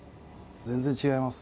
全然違います。